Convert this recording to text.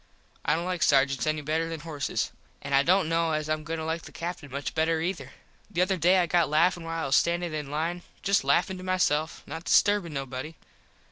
I dont like sargents any better than horses. An I dont kno as Im going to like the Captin much better ether. The other day I got laffin while I was standin in line. Just laffin to myself. Not disturbin nobody.